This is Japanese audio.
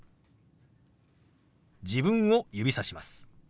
自分を指さします。